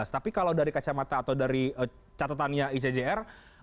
tapi kalau dari kacamata atau dari catatannya icjr